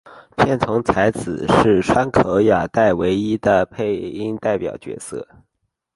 片桐彩子是川口雅代唯一的配音代表角色。